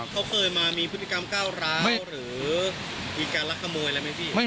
เขาเคยมามีพระพิการเก้าร้าวหรือ